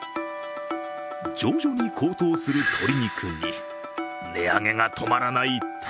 徐々に高騰する鶏肉に値上げが止まらない卵。